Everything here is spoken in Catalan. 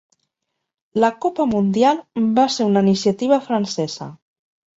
La Copa Mundial va ser una iniciativa francesa.